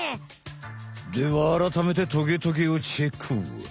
ではあらためてトゲトゲをチェック！